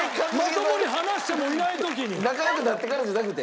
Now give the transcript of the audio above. まだ仲良くなってからじゃなくて？